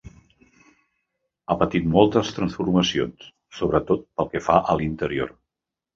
Ha patit moltes transformacions sobretot pel que fa a l'interior.